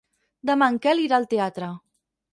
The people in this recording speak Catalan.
Demà en Quel irà al teatre.